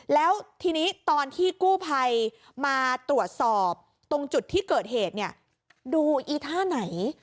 แล้วทีนี้ตอนที่กู้ภัยมาตรวจสอบตรงจุดที่เกิดเหตุเนี่ยดูอีท่าไหน